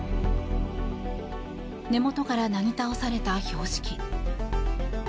根元からなぎ倒された標識。